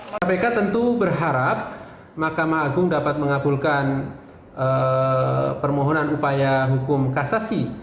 kpk tentu berharap mahkamah agung dapat mengabulkan permohonan upaya hukum kasasi